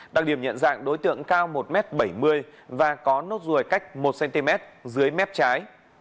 đặc điểm nhận dạng đối tượng cao một m bảy mươi và có nốt ruồi cách một cm dưới mép trái